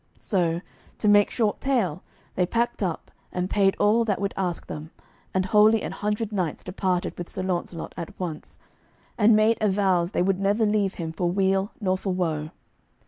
So, to make short tale, they packed up, and paid all that would ask them, and wholly an hundred knights departed with Sir Launcelot at once, and made avows they would never leave him for weal nor for woe.